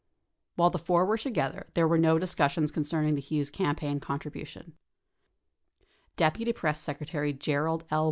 While the four were together, there were no discus sions concerning the Hughes campaign contribution. 41 Deputy Press Secretary Gerald L.